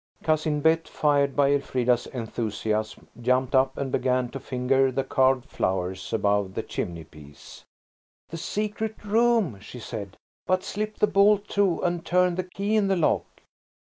Cousin Bet, fired by Elfrida's enthusiasm, jumped up and began to finger the carved flowers above the chimneypiece. "The secret room," she said; "but slip the bolt to and turn the key in the lock."